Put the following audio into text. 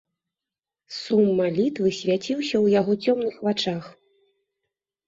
Сум малітвы свяціўся ў яго цёмных вачах.